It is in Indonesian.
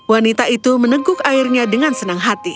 wanita itu menengkuk airnya dengan senang hati